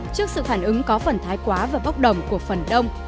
trước sự phản ứng có phần thái quá và bốc đồng của phần đông